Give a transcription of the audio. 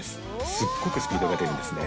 すっごくスピードが出るんですね。